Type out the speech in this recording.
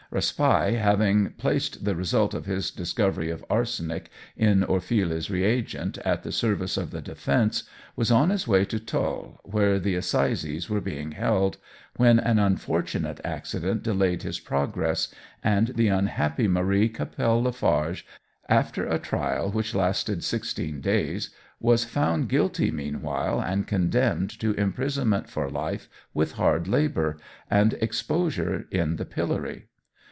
Raspail, having placed the result of his discovery of arsenic in Orfila's reagent, at the service of the defence, was on his way to Tulle, where the Assizes were being held, when an unfortunate accident delayed his progress, and the unhappy Marie Cappelle Lafarge, after a trial which lasted sixteen days, was found guilty meanwhile, and condemned to imprisonment for life with hard labour, and exposure in the pillory.